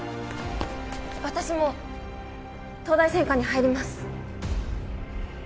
私も東大専科に入ります